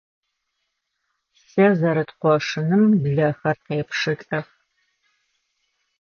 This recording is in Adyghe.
Щэ зэрыт къошыным блэхэр къепшылӀэх.